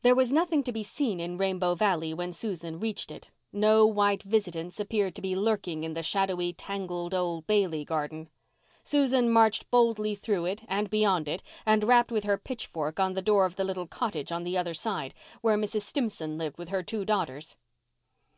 There was nothing to be seen in Rainbow Valley when Susan reached it. No white visitants appeared to be lurking in the shadowy, tangled old Bailey garden. Susan marched boldly through it and beyond it, and rapped with her pitchfork on the door of the little cottage on the other side, where Mrs. Stimson lived with her two daughters.